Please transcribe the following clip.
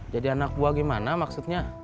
jadi anak buah gimana maksudnya